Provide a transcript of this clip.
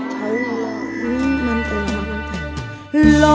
อัลฮัล